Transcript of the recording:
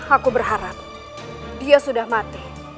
aku berharap dia sudah mati